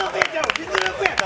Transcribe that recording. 実力や！